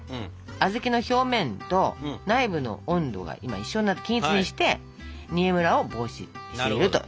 小豆の表面と内部の温度が今一緒になって均一にして煮えむらを防止していると。